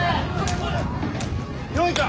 よいか